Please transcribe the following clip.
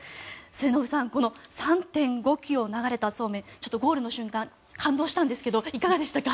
末延さん、この３．５ｋｍを流れたそうめんちょっとゴールの瞬間感動したんですけどいかがですか？